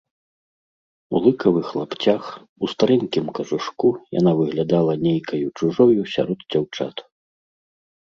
У лыкавых лапцях, у старэнькім кажушку яна выглядала нейкаю чужою сярод дзяўчат.